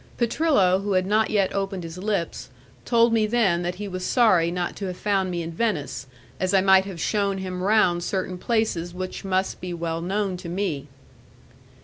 Petrillo, who had not yet opened his lips, told me then that he was sorry not to have found me in Venice, as I might have shewn him round certain places which must be well known to me.